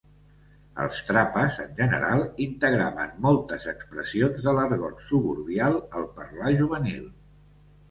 Els Trapas en general integraven moltes expressions de l'argot suburbial al parlar juvenil.